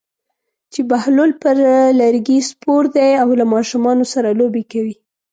چې بهلول پر لرګي سپور دی او له ماشومانو سره لوبې کوي.